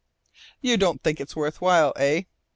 "You don't think it's worth while, eh?"